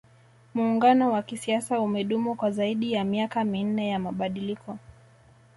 muungano wa kisiasa umedumu kwa zaidi ya miaka minne ya mabadiliko